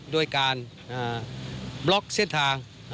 โดยการปล๊อกเส้นทาง